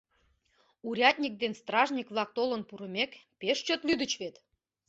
— Урядник ден стражник-влак толын пурымек, пеш чот лӱдыч вет?